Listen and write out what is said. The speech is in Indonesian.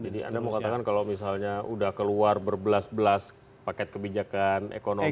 jadi anda mengatakan kalau misalnya sudah keluar berbelas belas paket kebijakan ekonomi